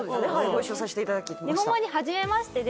ご一緒させていただきました。